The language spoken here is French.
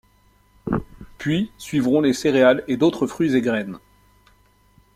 Puis suivront les céréales et d’autres fruits et graines.